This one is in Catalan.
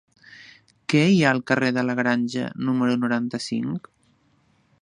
Què hi ha al carrer de la Granja número noranta-cinc?